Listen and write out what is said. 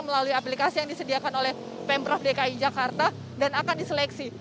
melalui aplikasi yang disediakan oleh pemprov dki jakarta dan akan diseleksi